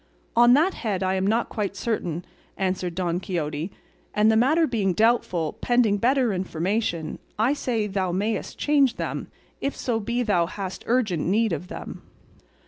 "On that head I am not quite certain," answered Don Quixote, "and the matter being doubtful, pending better information, I say thou mayest change them, if so be thou hast urgent need of them."